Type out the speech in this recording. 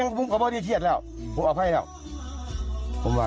ไงเค้าก็ยอมรับแล้วว่ามันโกหกดา